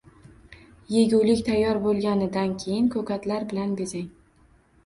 Yegulik tayyor bo‘lganidan keyin ko‘katlar bilan bezang